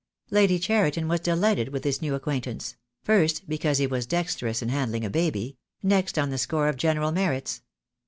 Lady Cheriton was delighted with this new acquain tance; first because he was dexterous in handling a baby; next on the score of general merits.